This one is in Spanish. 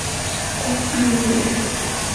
Kurt Angle.